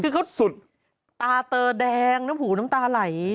คือเขาตาเตอร์แดงแล้วผูน้ำตาไหล